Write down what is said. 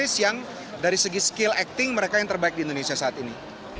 dan aktris yang dari segi skill acting mereka yang terbaik di indonesia saat ini